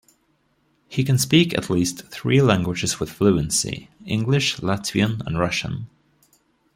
He can speak at least three languages with fluency: English, Latvian, and Russian.